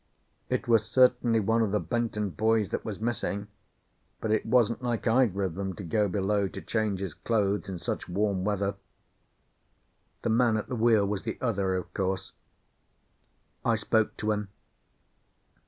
It was certainly one of the Benton boys that was missing, but it wasn't like either of them to go below to change his clothes in such warm weather. The man at the wheel was the other, of course. I spoke to him.